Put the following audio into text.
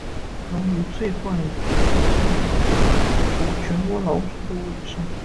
能以最快速度杀除全窝老鼠的为胜。